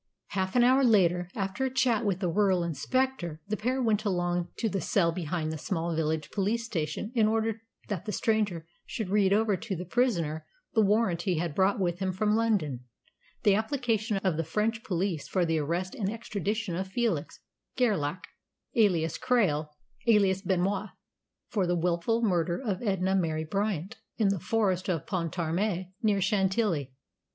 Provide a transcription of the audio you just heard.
Half an hour later, after a chat with the rural inspector, the pair went along to the cell behind the small village police station in order that the stranger should read over to the prisoner the warrant he had brought with him from London the application of the French police for the arrest and extradition of Felix Gerlach, alias Krail, alias Benoist, for the wilful murder of Edna Mary Bryant in the Forest of Pontarmé, near Chantilly.